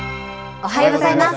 おはようございます。